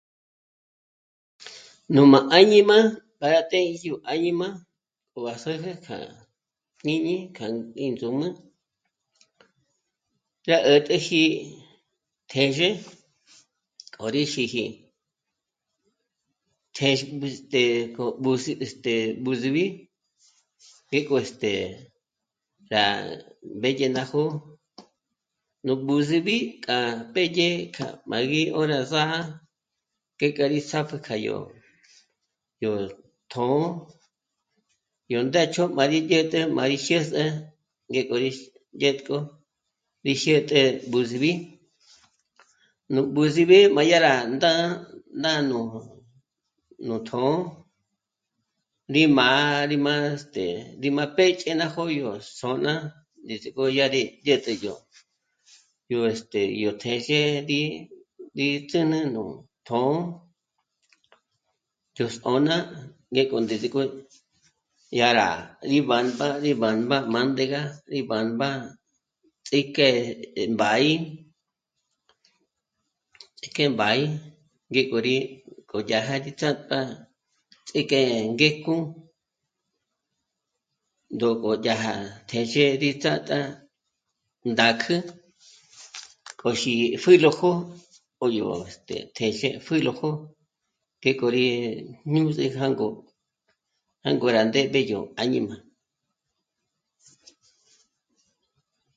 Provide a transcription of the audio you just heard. Nú má áñima gá rá tenjyó àñima s'äjä kja jñíñi kja índzum'ü, yá 'ä̀t'äji téxe k'o rí xîji. Téx... este... k'ó b'úzi... este... b'úzib'i ngéko este... rá mbédye ná jó'o nú b'úzib'i k'a pédye k'a má gí 'ö̌ra zà'a ngéka k'a rí zàpjü kja yó... yó tjṓ'ō yó ndéch'o para sí dyä̀t'ä má rí jyês'e ngéko ró dyétk'o rí jyä̀t'ä b'úzib'i. Nú b'úzib'i má yá rá ndá'a nájnó nú tjṓ'ō, rí má... rí má... este... rí má pê'ch'e ná jó'o yó s'ôn'a ndízik'o yá rí dyä̀t'ä yó... yó este... téxê rí... rí ndzǘn'ü nú tjṓ'ō, yó s'ô'n'a ngék'o ndízik'o yá rá síba mbá..., síba mbá.... mbándega síba mbá ts'íjk'e 'émba'í, ts'íjk'e 'émba'í, ngéko rí koyaji ts'ájp'a ts'íjk'e ngéko ndó k'oyája téxê rí ts'át'a ndàk'ü k'o xi pjílojo, k'o yó... este... téxe pjílojó ngéko rí mü̂s'i jângo, jângo rá ndéb'yé yó àñima